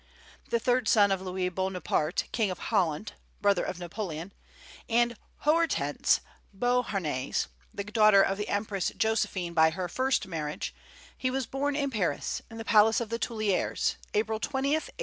The third son of Louis Bonaparte, King of Holland (brother of Napoleon), and Hortense Beauharnais, daughter of the Empress Josephine by her first marriage, he was born in Paris, in the palace of the Tuileries, April 20, 1808.